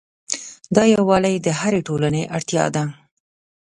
دا یووالی د هرې ټولنې اړتیا ده.